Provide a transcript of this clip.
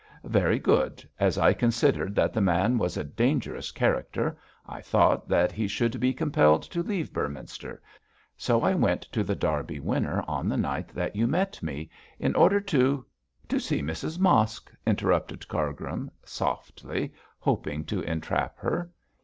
'Very good; as I considered that the man was a dangerous character I thought that he should be compelled to leave Beorminster; so I went to The Derby Winner on the night that you met me, in order to ' 'To see Mrs Mosk!' interrupted Cargrim, softly, hoping to entrap her.